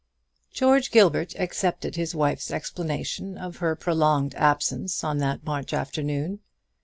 George Gilbert accepted his wife's explanation of her prolonged absence on that March afternoon.